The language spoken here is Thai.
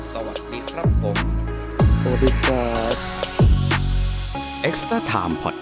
สวัสดีครับผม